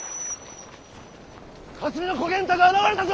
・・霞ノ小源太が現れたぞ！